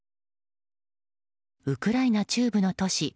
ウクライナ中部の都市